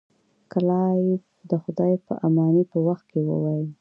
کلایف د خدای په امانی په وخت کې وویل.